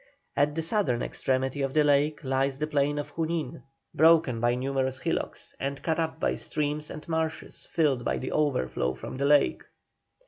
At the southern extremity of the lake lies the plain of Junin, broken by numerous hillocks, and cut up by streams and marshes filled by the overflow from the lake.